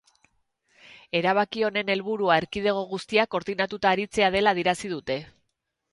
Erabaki honen helburua erkidego guztiak koordinatuta aritzea dela adierazi dute.